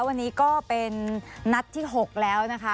วันนี้ก็เป็นนัดที่๖แล้วนะคะ